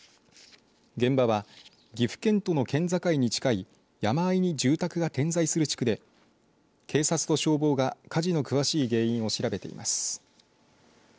現場は、岐阜県との県境に近い山あいに住宅が点在する地区で警察と消防が火事の詳しい原因を調べています。